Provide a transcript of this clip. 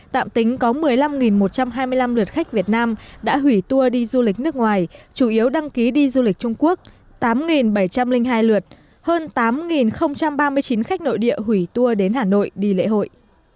tạm tính có một mươi năm một trăm hai mươi năm lượt khách việt nam đã hủy tour đi du lịch nước ngoài chủ yếu đăng ký đi du lịch trung quốc tám bảy trăm linh hai lượt hơn tám ba mươi chín khách nội địa hủy tour đến hà nội đi lễ hội